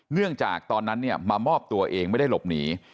เนื่องจากตอนนั้นมามอบตัวเองไม่ได้หลบหนี